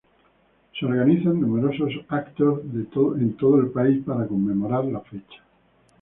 Se organizan numerosos eventos en todo el país para conmemorar la fecha.